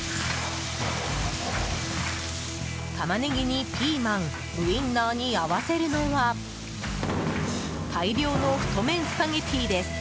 タマネギにピーマンウインナーに合わせるのは大量の太麺スパゲティです。